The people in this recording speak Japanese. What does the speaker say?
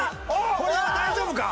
これは大丈夫か？